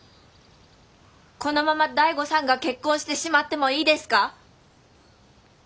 このまま醍醐さんが結婚してしまってもいいですか？